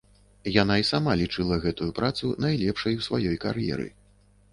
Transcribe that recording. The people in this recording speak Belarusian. Яна і сама лічыла гэтую працу найлепшай у сваёй кар'еры.